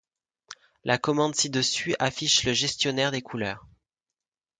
La commande ci-dessus affiche le gestionnaire des couleurs.